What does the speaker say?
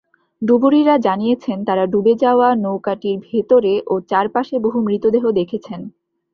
ডুবুরিরা জানিয়েছেন, তাঁরা ডুবে যাওয়া নৌকাটির ভেতরে এবং চারপাশে বহু মৃতদেহ দেখেছেন।